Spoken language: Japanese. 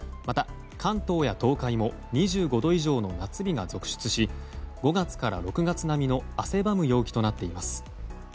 また、関東や東海も２５度以上の夏日が続出し５月から６月並みの汗ばむ陽気となっています。